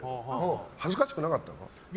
恥ずかしくなかったの？